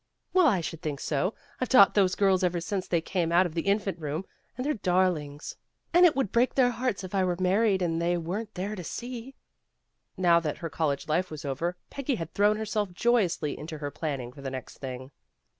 "Well, I should think so. I've taught those girls ever since they came out of the infant room, and they're darlings. And it would break their hearts if I were married and they weren't there to see." Now that her college life was over, Peggy had thrown herself joyously into her planning for the next thing.